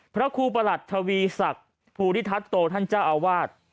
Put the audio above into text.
พระครูประหลัดทวีศักดิ์ภูริทัศโตท่านเจ้าอาวาส